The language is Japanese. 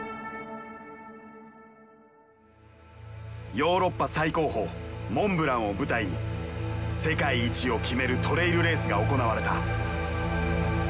ヨーロッパ最高峰モンブランを舞台に世界一を決めるトレイルレースが行われた。